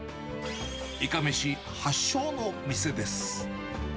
いかめし発祥の店です。